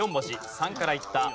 ３からいった。